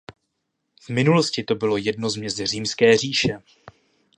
V minulosti to bylo jedno z měst Římské říše.